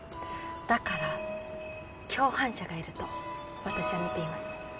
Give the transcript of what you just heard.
だから共犯者がいると私は見ています。